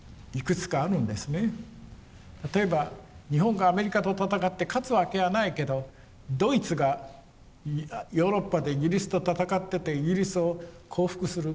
例えば日本がアメリカと戦って勝つわけはないけどドイツがヨーロッパでイギリスと戦っててイギリスを降伏する。